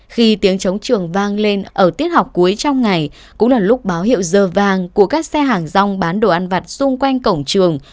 khi tiếng chống trường vang lên ở tiết học cuối trong ngày cũng là lúc báo hiệu giờ vàng của các xe hàng rong bán đồ ăn vặt xung quanh cổng trường